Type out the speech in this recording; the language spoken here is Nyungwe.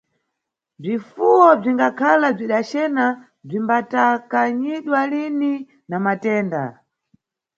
Bzifuwo bzingakhala bzidacena bzimbatakanyidwa lini na matenda